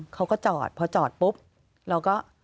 เขาก็จอดพอจอดปุ๊บเราก็